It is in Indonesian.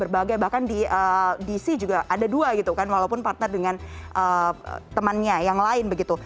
bahkan di dc juga ada dua gitu kan walaupun partner dengan temannya yang lain begitu